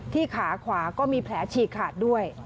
ขาขวาก็มีแผลฉีกขาดด้วย